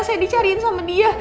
saya dicariin sama dia